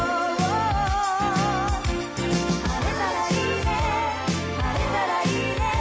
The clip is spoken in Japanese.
「晴れたらいいね晴れたらいいね」